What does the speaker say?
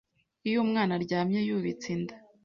Iyo umwana aryamye yubitse inda,